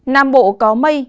nam bộ có mây